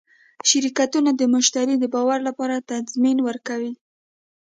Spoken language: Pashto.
شرکتونه د مشتری د باور لپاره تضمین ورکوي.